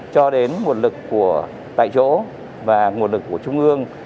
cho đến nguồn lực của tại chỗ và nguồn lực của trung ương